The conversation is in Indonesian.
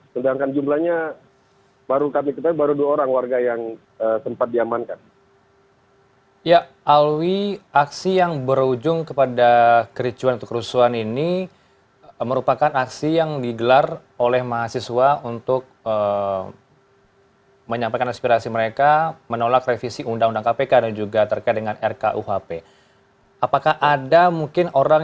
sedangkan jumlahnya baru kami ketahui baru dua orang warga yang sempat diamankan